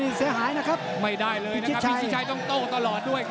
พิกิจไชยต้องโต๊ะตลอดด้วย